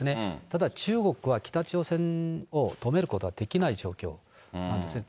ただ中国は北朝鮮を止めることはできない状況なんですね。